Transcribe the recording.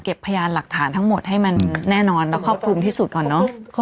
พยานหลักฐานทั้งหมดให้มันแน่นอนและครอบคลุมที่สุดก่อนเนอะ